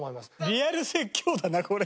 リアル説教だなこれ。